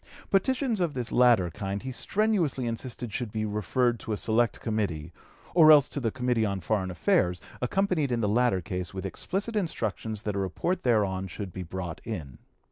Petitions of this latter kind he strenuously insisted should be referred to a select committee, or else to the Committee on Foreign Affairs, accompanied in the latter case with explicit instructions that a report thereon should be brought in.